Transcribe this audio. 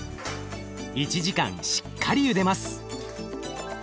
１時間しっかりゆでます。